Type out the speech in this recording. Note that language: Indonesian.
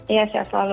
iya sehat selalu